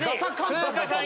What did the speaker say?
風花さん